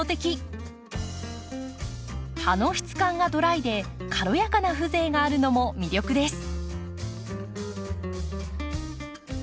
葉の質感がドライで軽やかな風情があるのも魅力です。